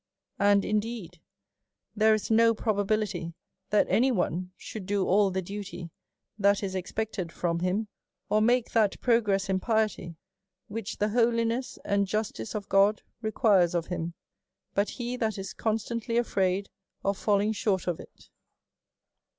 And, indeed, there is no probability that any one should do all the duty that is expected from him, or make that progress in piety which the holiness and justice of God requires of him, but he that is constant ly afraid of falling short of it.